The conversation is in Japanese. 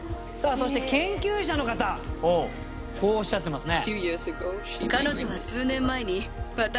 そして研究者の方こうおっしゃってますね